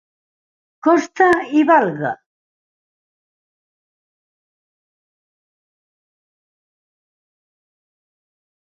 Coste i valga!